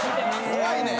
怖いねん！